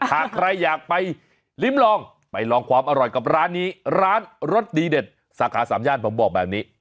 หากใครอยากไปลิ้มลองไปลองความอร่อยกับร้านนี้ร้านรสดีเด็ดสาขาสามย่านผมบอกแบบนี้